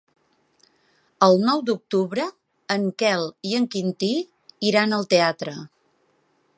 El nou d'octubre en Quel i en Quintí iran al teatre.